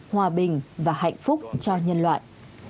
hòa bình và hạnh phúc cho nhân loại